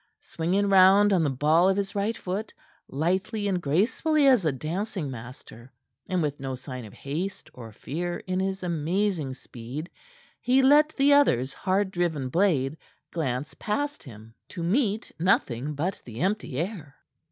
Swinging round on the ball of his right foot, lightly and gracefully as a dancing master, and with no sign of haste or fear in his amazing speed, he let the other's hard driven blade glance past him, to meet nothing but the empty air.